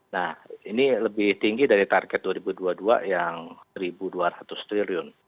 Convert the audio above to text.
nah ini lebih tinggi dari target dua ribu dua puluh dua yang rp satu dua ratus triliun